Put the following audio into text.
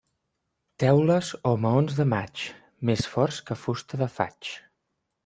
Teules o maons de maig, més forts que fusta de faig.